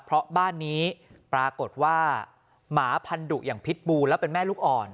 เพราะบ้านนี้ปรากฏว่าหมาพันธุอย่างพิษบูและเป็นแม่ลูกอ่อน